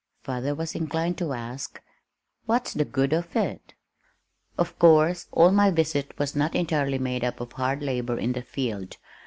Father was inclined to ask, "What's the good of it?" Of course all of my visit was not entirely made up of hard labor in the field.